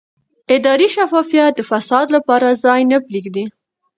اداري شفافیت د فساد لپاره ځای نه پرېږدي